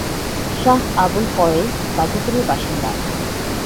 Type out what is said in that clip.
শাহ আবুল ফয়েজ গাজীপুরের বাসিন্দা।